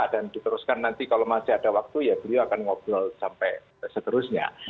diteruskan nanti kalau masih ada waktu ya beliau akan ngobrol sampai seterusnya